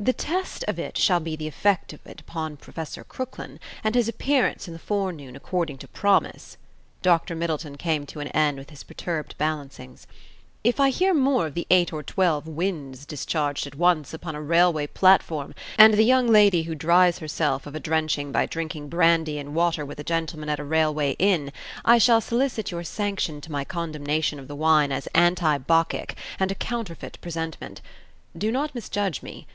"The test of it shall be the effect of it upon Professor Crooklyn, and his appearance in the forenoon according to promise," Dr. Middleton came to an end with his perturbed balancings. "If I hear more of the eight or twelve winds discharged at once upon a railway platform, and the young lady who dries herself of a drenching by drinking brandy and water with a gentleman at a railway inn, I shall solicit your sanction to my condemnation of the wine as anti Bacchic and a counterfeit presentment. Do not misjudge me.